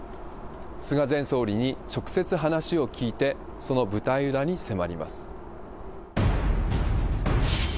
菅前総理に直接話を聞いて、その舞台裏に迫ります。